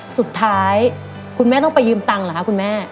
สุดท้ายคุณแม่ต้องไปยืมตังค์เหรอคะคุณแม่